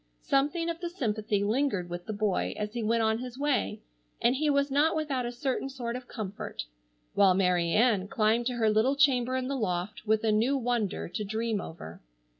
Something of the sympathy lingered with the boy as he went on his way and he was not without a certain sort of comfort, while Mary Ann climbed to her little chamber in the loft with a new wonder to dream over.